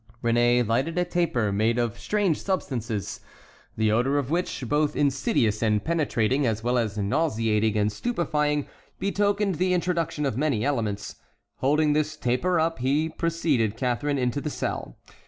Réné lighted a taper made of strange substances, the odor of which, both insidious and penetrating as well as nauseating and stupefying, betokened the introduction of many elements; holding this taper up, he preceded Catharine into the cell.